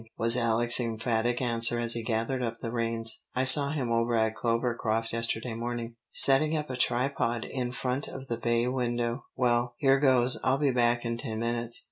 was Alex's emphatic answer as he gathered up the reins. "I saw him over at Clovercroft yesterday morning, setting up a tripod in front of the bay window. Well, here goes. I'll be back in ten minutes."